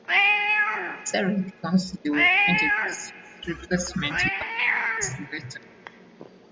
Derek Townsley was appointed as his replacement a couple of weeks later.